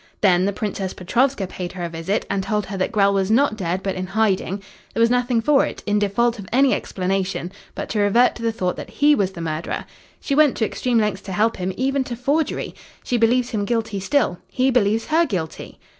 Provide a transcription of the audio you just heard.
"Then the Princess Petrovska paid her a visit and told her that Grell was not dead but in hiding. There was nothing for it, in default of any explanation, but to revert to the thought that he was the murderer. She went to extreme lengths to help him even to forgery. She believes him guilty still; he believes her guilty."